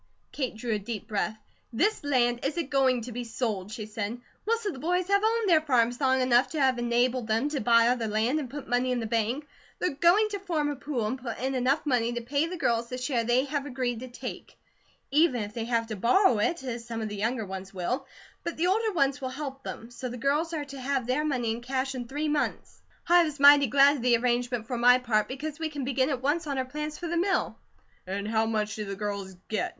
Kate drew a deep breath. "THIS land isn't going to be sold," she said. "Most of the boys have owned their farms long enough to have enabled them to buy other land, and put money in the bank. They're going to form a pool, and put in enough money to pay the girls the share they have agreed to take; even if they have to borrow it, as some of the younger ones will; but the older ones will help them; so the girls are to have their money in cash, in three months. I was mighty glad of the arrangement for my part, because we can begin at once on our plans for the mill." "And how much do the girls get?"